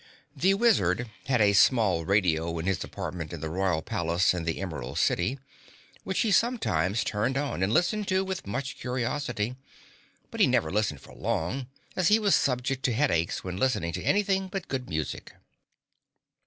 The Wizard had a small radio in his apartment in the Royal Palace in the Emerald City, which he sometimes turned on and listened to with much curiosity. But he never listened for long, as he was subject to headaches when listening to anything but good music.